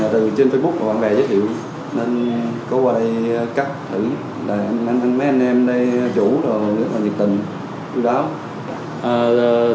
từ trên facebook và bạn bè giới thiệu nên có qua đây cắt thử mấy anh em đây chủ rất là nhiệt tình tự đáo